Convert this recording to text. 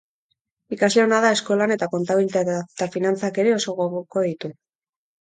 Ikasle ona da eskolan eta kontabilitatea eta finanatzak ere oso gogoko ditu.